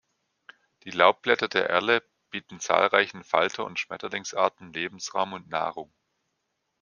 Die Laubblätter der Erle bieten zahlreichen Falter- und Schmetterlingsarten Lebensraum und Nahrung.